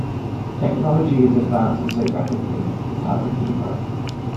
Technology is advancing so rapidly, it's hard to keep up.